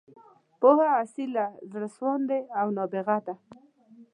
پوهه، اصیله، زړه سواندې او نابغه ده.